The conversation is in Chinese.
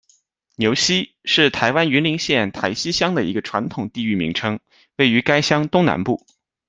牛厝，是台湾云林县台西乡的一个传统地域名称，位于该乡东南部。